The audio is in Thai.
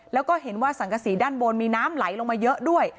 แล้วก็เห็นว่าสังกษีด้านบนมีน้ำไหลลงมาเยอะด้วย